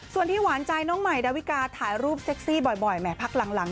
ส่วนที่หวานใจน้องใหม่ดาวิกาถ่ายรูปเซ็กซี่บ่อยแหมพักหลัง